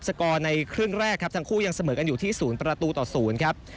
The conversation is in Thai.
กอร์ในครึ่งแรกครับทั้งคู่ยังเสมอกันอยู่ที่๐ประตูต่อ๐ครับ